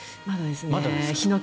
まだですね。